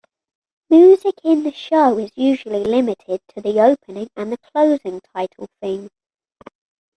Music in the show is usually limited to the opening and closing title theme.